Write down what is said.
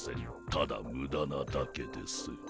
ただムダなだけです。